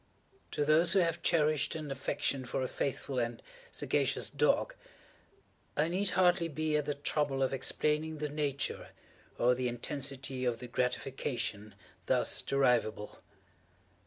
To those who have cherished an affection for a faithful and sagacious dog, I need hardly be at the trouble of explaining the nature or the intensity of the gratification thus derivable.